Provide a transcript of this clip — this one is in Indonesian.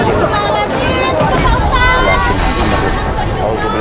tunggu pak ustadz